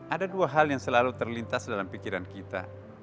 ada dua hal yang selalu terlintas dalam pikiran kita